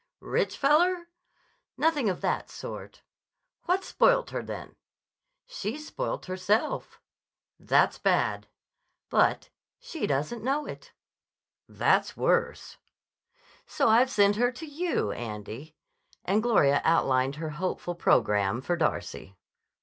"Rich feller?" "Nothing of that sort." "What's spoilt her, then?" "She's spoilt herself." "That's bad." "But she doesn't know it." "That's worse." "So I've sent her to you, Andy." And Gloria outlined her hopeful programme for Darcy.